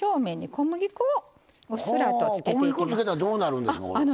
小麦粉つけたらどうなるんですの？